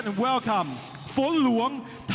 รับทราบคดชศาลสบุญจันทร์